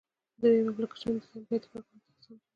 د ویب اپلیکیشنونو ډیزاین باید کارونکي ته اسانتیا ورکړي.